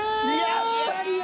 やっぱりや！